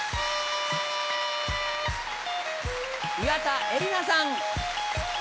岩田絵里奈さん。